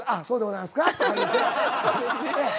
そうですね。